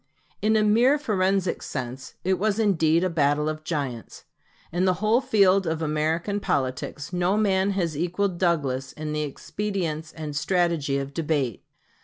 In a merely forensic sense, it was indeed a battle of giants. In the whole field of American politics no man has equaled Douglas in the expedients and strategy of debate.